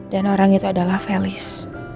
orang itu adalah felis